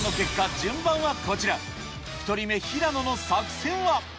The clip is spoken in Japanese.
順番はこちら１人目平野の作戦は？